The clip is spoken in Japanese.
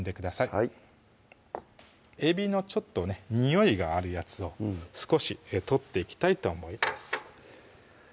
はいえびのちょっとねにおいがあるやつを少し取っていきたいと思います